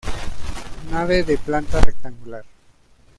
Nave de planta rectangular.